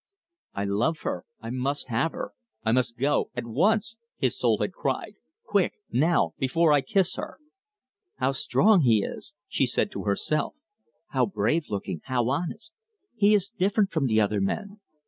"I love her, I must have her. I must go at once," his soul had cried, "quick now before I kiss her!" "How strong he is," she said to herself, "how brave looking; how honest! He is different from the other men.